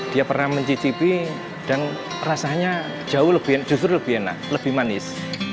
dia pernah mencicipi dan rasanya jauh lebih justru lebih enak lebih manis